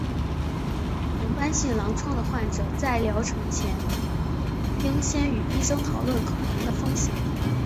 红斑性狼疮的患者在疗程前应先与医生讨论可能的风险。